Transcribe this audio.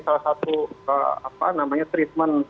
salah satu treatment